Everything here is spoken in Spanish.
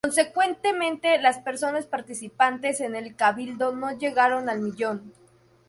Consecuentemente, las personas participantes en el Cabildo no llegaron al millón.